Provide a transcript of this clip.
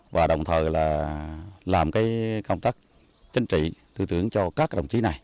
và đồng thời là làm công tác chính trị tư tưởng cho các đồng chí này